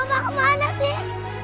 mama kemana sih